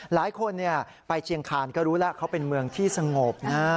หลายคนไปเชียงคานก็รู้แล้วเขาเป็นเมืองที่สงบนะ